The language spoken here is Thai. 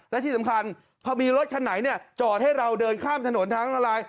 และที่สำคัญพอมีรถคันไหนจอดให้เราเดินข้ามถนนทางละลาย